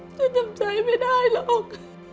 ฉันทำใจไม่ได้หรอก